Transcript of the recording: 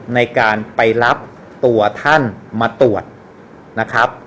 ในการไปรับตัวท่านมาตรวจนะครับ